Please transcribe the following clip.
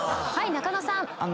はい中野さん。